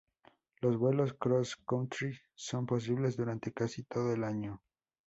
Los vuelos cross country son posibles durante casi todo el año.